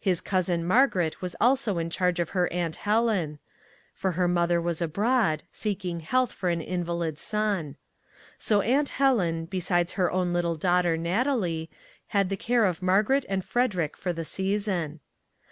His Cousin Margaret was also in charge of her Aunt Helen, for her mother was abroad, seeking health for an invalid son. So Aunt Helen, be sides her own little daughter Natalie, had the care of Margaret and Frederick for the season.